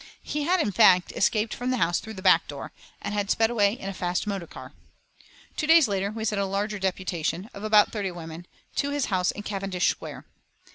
He had, in fact, escaped from the house through the back door, and had sped away in a fast motor car. Two days later we sent a larger deputation, of about thirty women, to his house in Cavendish Square.